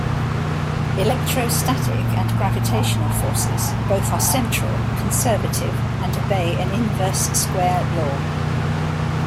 Electrostatic and gravitational forces both are central, conservative and obey an inverse-square law.